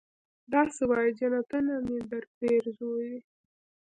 دا سه وايې جنتونه مې درپېرزو دي.